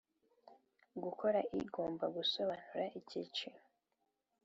gukora igomba gusobanura icyiciro